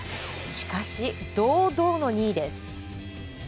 しかし、堂々の２位です。